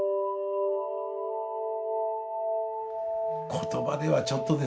言葉ではちょっとですね